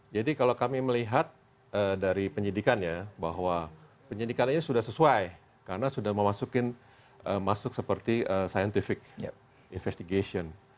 jadi kalau kami melihat dari penyidikannya bahwa penyidikannya sudah sesuai karena sudah memasukkan masuk seperti scientific investigation